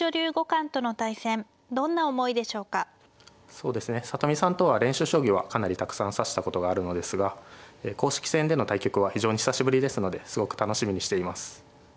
そうですね里見さんとは練習将棋はかなりたくさん指したことがあるのですが公式戦での対局は非常に久しぶりですのですごく楽しみにしています。